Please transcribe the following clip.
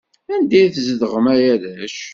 Anda i tzedɣem a arrac?